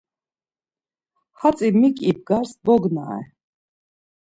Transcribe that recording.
Hatzi mik ibgars, bognare.